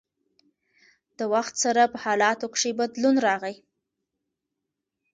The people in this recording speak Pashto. د وخت سره په حالاتو کښې بدلون راغی